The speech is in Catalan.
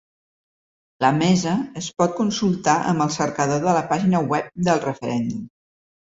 La mesa es pot consultar amb el cercador de la pàgina web del referèndum.